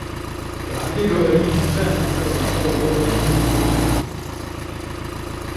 Uharteko herri guztien arteko garraiorako ere gune nagusia da.